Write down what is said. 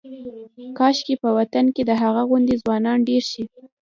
کاشکې په وطن کې د هغه غوندې ځوانان ډېر شي.